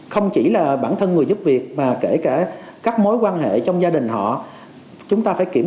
không chỉ là bản thân người giúp việc mà kể cả các mối quan hệ trong gia đình họ chúng ta phải kiểm